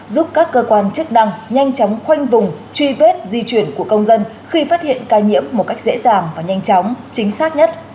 giúp các cơ quan chức năng nhanh chóng khoanh vùng truy vết di chuyển của công dân khi phát hiện ca nhiễm một cách dễ dàng và nhanh chóng chính xác nhất